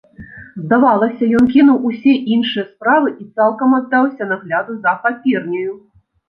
Здавалася, ён кінуў усе іншыя справы і цалкам аддаўся нагляду за паперняю.